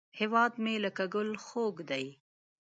هیواد مې لکه ګل خوږ دی